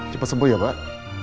cepat sembuh ya pak